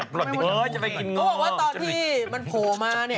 เขาบอกว่าตอนที่มันโผล่มาเนี่ย